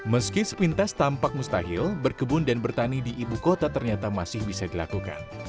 meski sepintas tampak mustahil berkebun dan bertani di ibu kota ternyata masih bisa dilakukan